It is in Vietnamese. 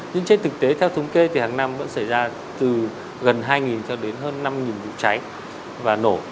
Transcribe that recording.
nhưng trên thực tế theo thống kê thì hàng năm vẫn xảy ra từ gần hai cho đến hơn năm vụ cháy và nổ